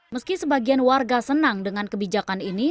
meski sebagian warga senang dengan kebijakan ini